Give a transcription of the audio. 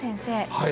はい。